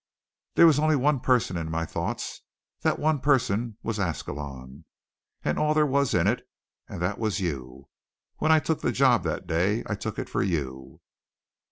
There was only one person in my thoughts, that one person was Ascalon, and all there was in it, and that was you. When I took the job that day, I took it for you."